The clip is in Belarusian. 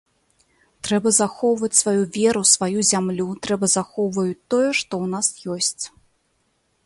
Трэба захоўваць сваю веру, сваю зямлю, трэба захоўваюць тое, што ў нас ёсць.